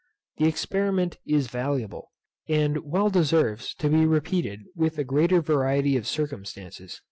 The experiment is valuable, and well deserves to be repeated with a greater variety of circumstances.